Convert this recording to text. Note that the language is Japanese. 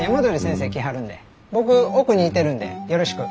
僕奥にいてるんでよろしく。